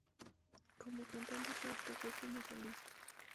Como cantante se destacó como solista.